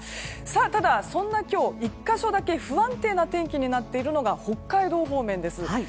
ただ、そんな今日、１か所だけ不安定な天気になっているのが北海道方面です。